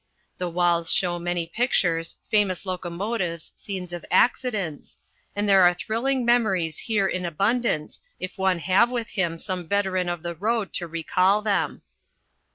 The walls show many pictures, famous locomotives, scenes of accidents, and there are thrilling memories here in abundance if one have with him some veteran of the road to recall them.